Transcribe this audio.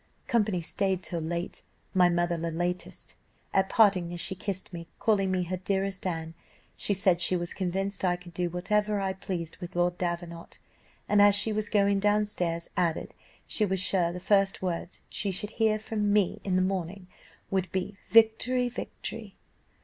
Company stayed till late, my mother the latest. At parting, as she kissed me, calling me her dearest Anne, she said she was convinced I could do whatever I pleased with Lord Davenant, and as she was going down stairs, added, she was sure the first words she should hear from me in the morning would be 'Victory, victory!